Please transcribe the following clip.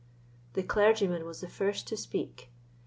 The clergyman was the first to speak.